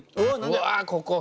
うわここ！